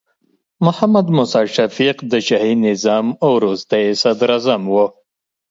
محمد موسی شفیق د شاهي نظام وروستې صدراعظم و.